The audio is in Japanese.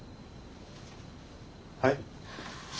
はい？